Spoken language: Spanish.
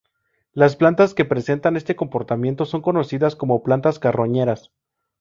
Las plantas que presentan este comportamiento son conocidas como plantas carroñeras.